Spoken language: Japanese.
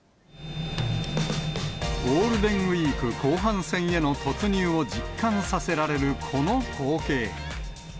ゴールデンウィーク後半戦への突入を実感させられるこの光景。